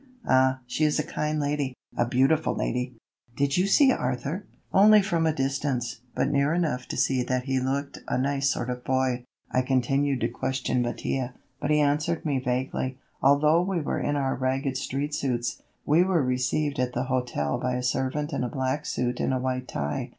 "Ah, she is a kind lady, a beautiful lady!" "Did you see Arthur?" "Only from a distance, but near enough to see that he looked a nice sort of boy." I continued to question Mattia, but he answered me vaguely. Although we were in our ragged street suits, we were received at the hotel by a servant in a black suit and a white tie.